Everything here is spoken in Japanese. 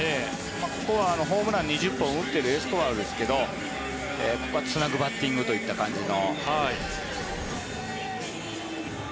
ここはホームラン２０本を打っているエスコバルですがここはつなぐバッティングといった感じの。